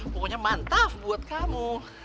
pokoknya mantap buat kamu